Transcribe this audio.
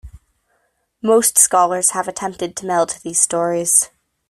Most scholars have attempted to meld these stories.